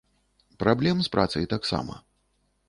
Праблем з працай таксама.